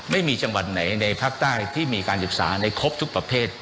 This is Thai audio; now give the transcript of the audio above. ไม่มีจังหวัดไหนในภาคใต้ที่มีการศึกษาในครบทุกประเภท